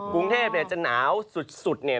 กรุงเทพจะหนาวสุด